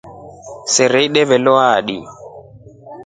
Sera ideve lo hatro.